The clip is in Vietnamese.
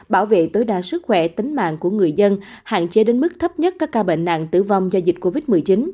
bảo vệ tối đa sức khỏe tính mạng của người dân hạn chế đến mức thấp nhất các ca bệnh nặng tử vong do dịch covid một mươi chín